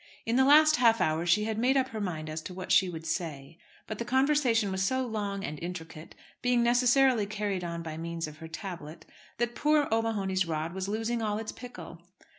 In the last half hour she had made up her mind as to what she would say. But the conversation was so long and intricate, being necessarily carried on by means of her tablet, that poor O'Mahony's rod was losing all its pickle.